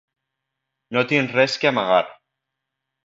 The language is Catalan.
No tinc res que amagar.